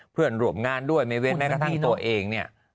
เพื่อนร่วมงานด้วยไม่เว้นแม้กระทั่งตัวเองเนี่ย